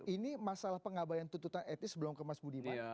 ini masalah pengabaian tuntutan etis sebelum kemas budiman